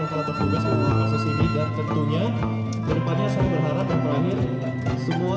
yang telah terbuka sejak posisi dan tentunya berdepannya saya berharap dan terakhir semua